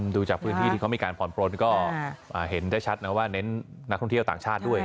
ดูจากพื้นที่ที่เขามีการผ่อนปลนก็เห็นได้ชัดนะว่าเน้นนักท่องเที่ยวต่างชาติด้วย